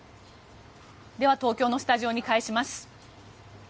では、東京のスタジオに返します。